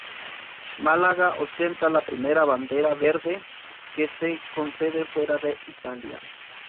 Málaga ostenta la primera Bandera Verde que se concede fuera de Italia.